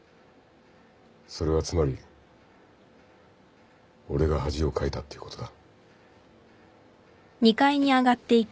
それはつまり俺が恥をかいたっていうことだ。